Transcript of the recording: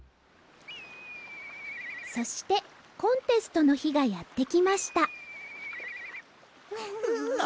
そしてコンテストのひがやってきましたふ！